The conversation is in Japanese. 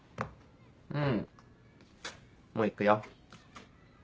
うんもう行くよ。